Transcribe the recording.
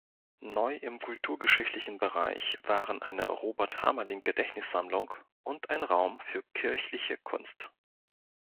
Neu im kulturgeschichtlichen Bereich waren eine Robert-Hamerling-Gedächtnissammlung und ein Raum für kirchliche Kunst.